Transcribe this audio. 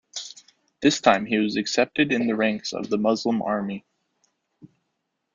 This time he was accepted in the ranks of the Muslim army.